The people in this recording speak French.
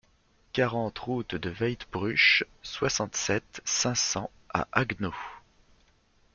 quarante route de Weitbruch, soixante-sept, cinq cents à Haguenau